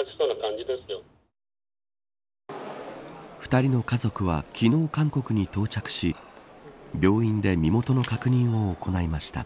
２人の家族は昨日韓国に到着し病院で身元の確認を行いました。